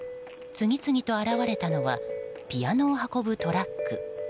次々と現れたのはピアノを運ぶトラック。